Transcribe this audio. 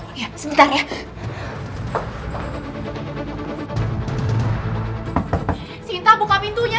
sinta buka pintunya sinta sinta ini ini dia